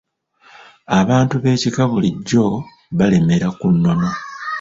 Abantu b'ekika bulijjo balemera ku nnono.